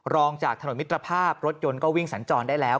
รองจากถนนมิตรภาพรถยนต์ก็วิ่งสัญจรได้แล้ว